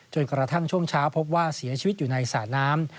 กระทั่งช่วงเช้าพบว่าเสียชีวิตอยู่ในสระน้ำ